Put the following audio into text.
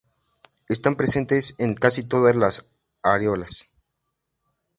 Están presentes en casi todas las areolas.